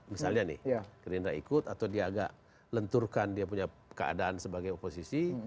misalnya nih gerindra ikut atau dia agak lenturkan dia punya keadaan sebagai oposisi